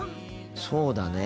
そうだね。